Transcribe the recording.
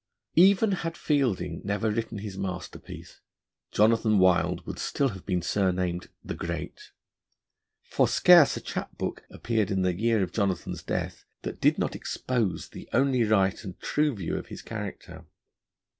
Even had Fielding never written his masterpiece, Jonathan Wild would still have been surnamed 'The Great.' For scarce a chap book appeared in the year of Jonathan's death that did not expose the only right and true view of his character.